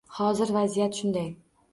Hozir vaziyat shunday